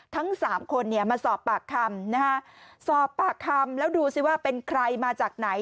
ทั้งสามคนเนี่ยมาสอบปากคำนะฮะสอบปากคำแล้วดูสิว่าเป็นใครมาจากไหน